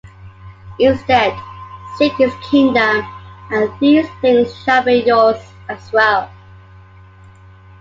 Instead, seek his kingdom, and these things shall be yours as well.